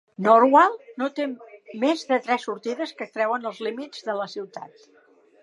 Norwalk no té més de tres sortides que creuen els límits de la ciutat.